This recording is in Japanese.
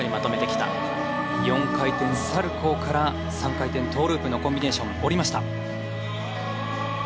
４回転サルコーから３回転トーループのコンビネーション降りました。